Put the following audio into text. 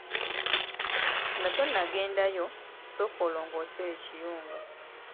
Nga tonnagendayo, sooka olongoose ekiyungu.